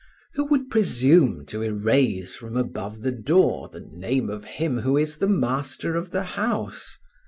Who would presume to erase from above the door the name of him who is the master of the house?